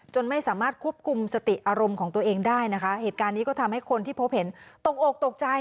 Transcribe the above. ไม่สามารถควบคุมสติอารมณ์ของตัวเองได้นะคะเหตุการณ์นี้ก็ทำให้คนที่พบเห็นตกอกตกใจ